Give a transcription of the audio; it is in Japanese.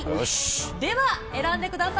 では選んでください。